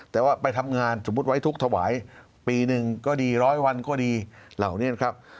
แต่ว่าไปทำงานสมมุติไว้ทุกข์ถวายปีหนึ่งก็ดีร้อยวันก็ดีเหล่านี้นะครับ